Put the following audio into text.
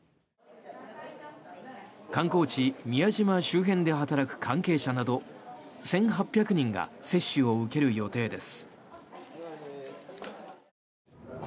観光地・宮島周辺で働く関係者など１８００人が接種を受ける予定です。